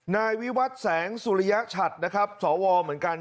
นายวิวัตรแสงสุริยชัดนะครับสวเหมือนกัน